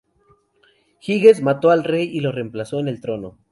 Giges mató al rey y lo reemplazó en el trono.